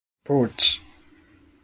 ポーチ